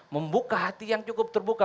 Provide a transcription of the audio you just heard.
membuka hati yang cukup terbuka